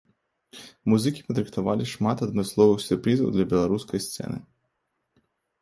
Музыкі падрыхтавалі шмат адмысловых сюрпрызаў для беларускай сцэны.